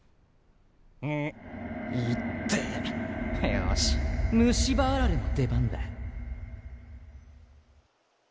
よし「虫歯あられ」の出番だ！